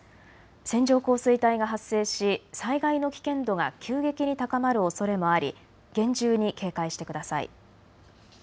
線状降水帯が発生し災害の危険度が急激に高まるおそれもあり厳重に警戒してください。